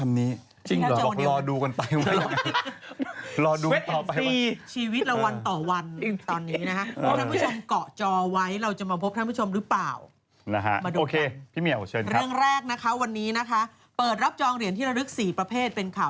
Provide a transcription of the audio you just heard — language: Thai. อาทิตย์แล้วจนทำมันเดียวเลยนะ